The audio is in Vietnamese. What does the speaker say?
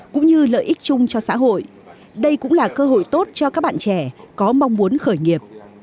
cũng như lợi ích chung cho xã hội đây cũng là cơ hội tốt cho các bạn trẻ có mong muốn khởi nghiệp